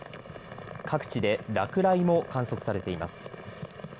各地で落雷も観測されています。